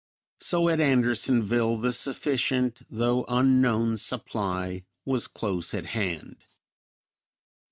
So at Andersonville the sufficient, though unknown, supply was close at hand.